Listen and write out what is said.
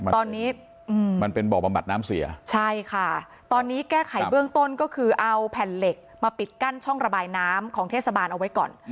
ตอนนี้มันเป็นบ่อบำบัดน้ำเสียใช่ค่ะตอนนี้แก้ไขเบื้องต้นก็คือเอาแผ่นเหล็กมาปิดกั้นช่องระบายน้ำของเทศบาลเอาไว้ก่อน